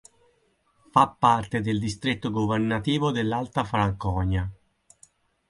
Fa parte del distretto governativo dell'Alta Franconia